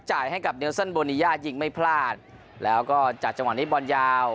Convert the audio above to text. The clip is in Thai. ให้กับเลสันโบนียายิงไม่พลาดแล้วก็จากจังหวะนี้บอลยาว